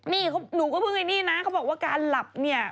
นี่หนูก็เพิ่งไอ้นี่นะเขาบอกว่าการหลับเนี่ย